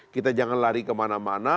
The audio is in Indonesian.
kita jangan lari kemana mana